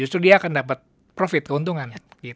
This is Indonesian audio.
justru dia akan dapat profit keuntungannya